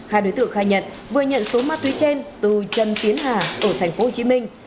hai đối tượng khai nhận vừa nhận số ma túy trên từ trần tiến hà ở thành phố hồ chí minh